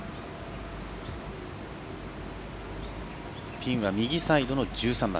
ピンは右サイドの１３番。